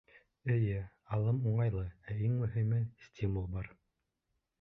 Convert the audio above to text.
Эйе, алым уңайлы, ә иң мөһиме — стимул бар.